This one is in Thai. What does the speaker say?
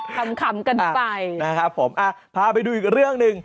ขำกันไปนะครับผมอ่ะพาไปดูอีกเรื่องหนึ่ง